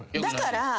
だから。